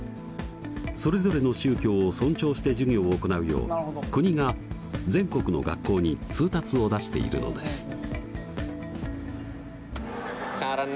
それぞれの宗教を尊重して授業を行うよう国が全国の学校に通達を出しているのです。